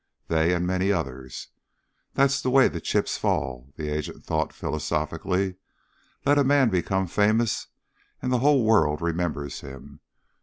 They and many others. That's the way the chips fall, the agent thought philosophically. Let a man become famous and the whole world remembers him.